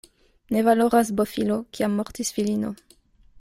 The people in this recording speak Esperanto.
Ne valoras bofilo, kiam mortis filino.